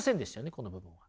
この部分は。